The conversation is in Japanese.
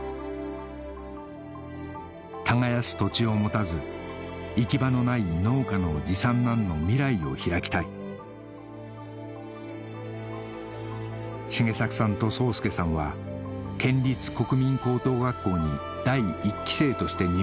耕す土地を持たず行き場のない農家の次三男の未来を開きたい繁作さんと壮助さんは県立国民高等学校に第１期生として入学します